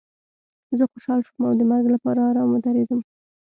زه خوشحاله شوم او د مرګ لپاره ارام ودرېدم